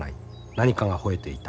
何かがほえていた。